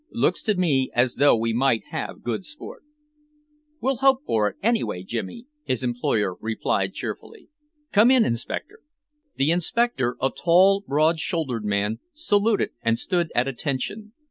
Looks to me as though we might have good sport." "We'll hope for it, anyway, Jimmy," his employer replied cheerfully. "Come in, Inspector." The inspector, a tall, broad shouldered man, saluted and stood at attention.